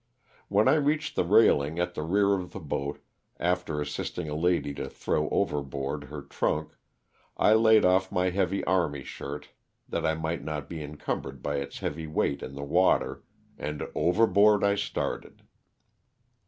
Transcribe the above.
When I reached the railing at the rear of the boat, after assisting a lady to throw overboard her trunk, I laid off my heavy army shirt that I might not be incumbered by its heavy weight in the water, and overboard I started.